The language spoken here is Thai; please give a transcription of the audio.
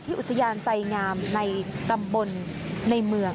อุทยานไสงามในตำบลในเมือง